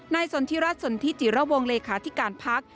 ในสนทิรัฐสนทิจิระวงเหลคาธิการพรรณ